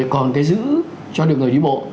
còn cái giữ cho được người đi bộ